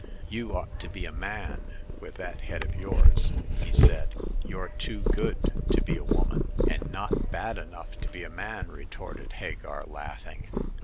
" You ought to be a man, with that head of yours," he said ; "you're too good to be a woman!" " And not bad enough to be a man," retorted Hagar, laughing.